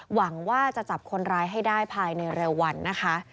หวังว่าจะจับคนร้ายให้ได้ภายในเร็ววันนะคะ